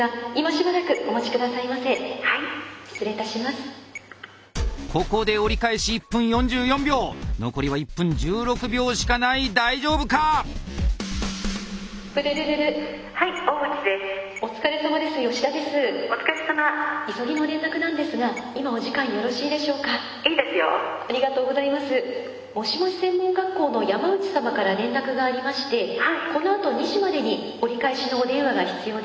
もしもし専門学校の山内様から連絡がありましてこの後２時までに折り返しのお電話が必要です。